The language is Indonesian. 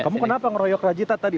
kamu kenapa ngeroyok rajita tadi